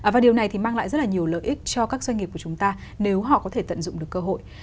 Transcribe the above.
và điều này thì mang lại rất là nhiều lợi ích cho các doanh nghiệp của chúng ta nếu họ có thể tận dụng được cơ hội